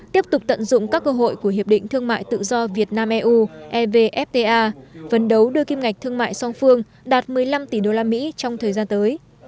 tiếp tục tận dụng các cơ hội của hiệp định thương mại tự do việt nam eu evfta phấn đấu đưa kim ngạch thương mại song phương đạt một mươi năm tỷ usd trong thời gian tới